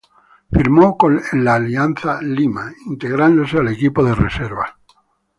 Firmó con el Alianza Lima, integrándose al equipo de reservas.